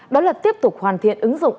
đó là tiếp tục hoàn thiện ứng dụng